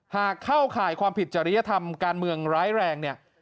เข้าข่ายความผิดจริยธรรมการเมืองร้ายแรงเนี่ย